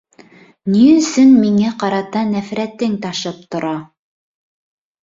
Ни өсөн миңә ҡарата нәфрәтең ташып тора?